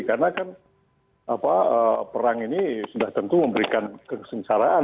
karena perang ini sudah tentu memberikan kesengsaraan